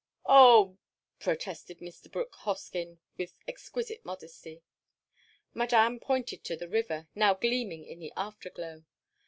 "Oh—!" protested Mr. Brooke Hoskyn, with exquisite modesty. Madame pointed to the river, now gleaming in the afterglow.